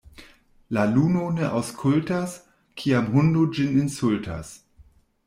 La luno ne aŭskultas, kiam hundo ĝin insultas.